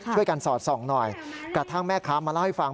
สอดส่องหน่อยกระทั่งแม่ค้ามาเล่าให้ฟัง